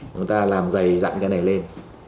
chúng ta làm dày dặn cái này lên